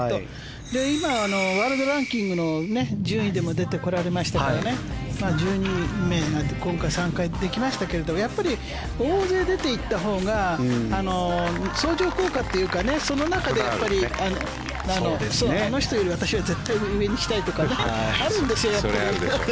今はワールドランキングの順位でも出てこられましたから１２名、今回参加できましたがやっぱり大勢出ていったほうが相乗効果というかその中であの人より私は絶対に上に行きたいとかあるんですよ。